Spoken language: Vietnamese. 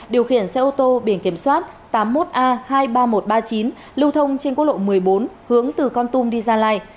điều khiển xe ô tô biển kiểm soát tám mươi một a hai mươi ba nghìn một trăm ba mươi chín lưu thông trên quốc lộ một mươi bốn hướng từ con tum đi gia lai